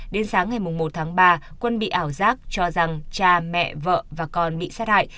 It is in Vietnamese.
đến sáng ngày một tháng ba quân bị ảo giác cho rằng cha mẹ vợ và con bị sát hại